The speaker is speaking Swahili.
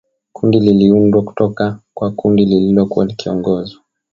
Kundi liliundwa kutoka kwa kundi lililokuwa likiongozwa